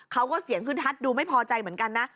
เขาก็เสียงขึ้นฮัดดูไม่พอใจเหมือนกันนะ